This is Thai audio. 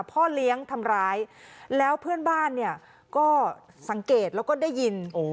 พ่อเลี้ยงทำร้ายแล้วเพื่อนบ้านเนี่ยก็สังเกตแล้วก็ได้ยิน